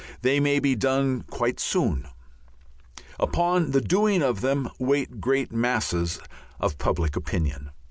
They may be done quite soon. Upon the doing of them wait great masses of public opinion.